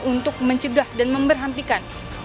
untuk mencegah dan memberhentikan